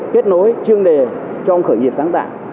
kết nối chuyên đề cho ông khởi nghiệp sáng tạo